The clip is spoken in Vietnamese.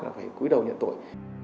là phải cúi đầu nhận tội